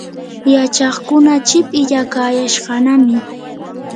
rachakkuna chip illaqayashqanami.